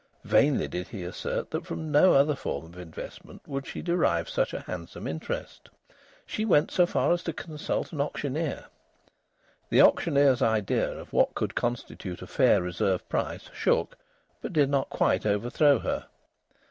Vainly did he assert that from no other form of investment would she derive such a handsome interest. She went so far as to consult an auctioneer. The auctioneer's idea of what could constitute a fair reserve price shook, but did not quite overthrow her.